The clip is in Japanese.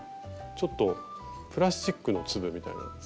ちょっとプラスチックの粒みたいなやつ